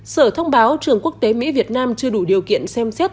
sở thông báo trường quốc tế mỹ việt nam chưa đủ điều kiện xem xét